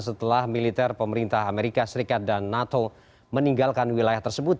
setelah militer pemerintah amerika serikat dan nato meninggalkan wilayah tersebut